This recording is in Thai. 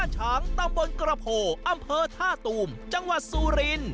บ้านช้างตำบลกระโผอำเภอท่าตุ่มจังหวัดสูริน